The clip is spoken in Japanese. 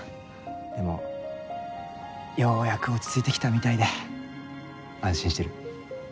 でもようやく落ち着いてきたみたいで安心してる。